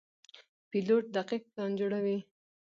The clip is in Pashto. پیلوټ دقیق پلان جوړوي.